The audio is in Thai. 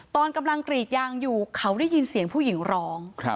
ตอนกำลังกรีดยางอยู่เขาได้ยินเสียงผู้หญิงร้อง